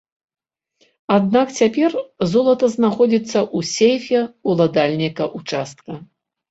Аднак цяпер золата знаходзіцца ў сейфе ўладальніка ўчастка.